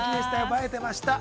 映えていました。